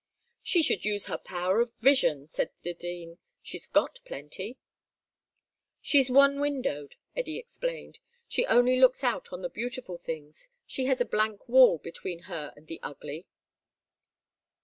"She should use her power of vision," said the Dean. "She's got plenty." "She's one windowed," Eddy explained. "She only looks out on to the beautiful things; she has a blank wall between her and the ugly."